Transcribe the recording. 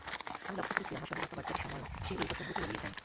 আমি লক্ষ করেছি, আমার সঙ্গে কথাবার্তারি সময়ও সে এই প্রসঙ্গটি এড়িয়ে যায়।